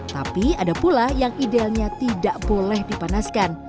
tapi ada pula yang idealnya tidak boleh dipanaskan